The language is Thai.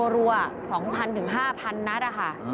รัว๒๐๐๐๕๐๐๐นัดค่ะ